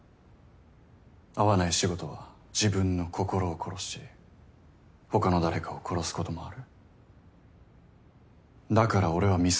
合わない仕事は自分の心を殺し他の誰かを殺すこともある。